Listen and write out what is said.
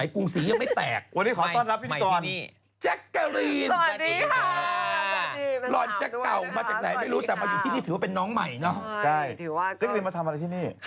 ถือว่าค่ะก็จึงเรียนมาทำอะไรที่นี่